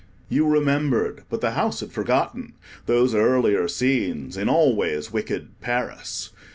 you remembered, but the house had forgotten those earlier scenes in always wicked Paris.